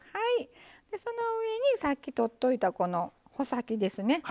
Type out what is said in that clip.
その上にさっきとっといたこの穂先ですね。